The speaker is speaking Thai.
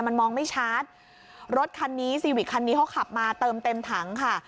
มันมองไม่ชัดรถคันนี้ซีวิกคันนี้เขาขับมาเติมเต็มถังค่ะ